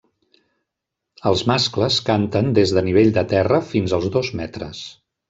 Els mascles canten des de nivell de terra fins als dos metres.